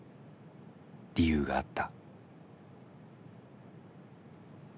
理由があった。